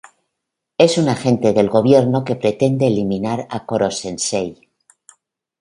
Es un agente del gobierno que pretende eliminar a Koro-sensei.